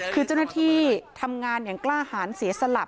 คือเจ้าหน้าที่ทำงานอย่างกล้าหาญเสียสละ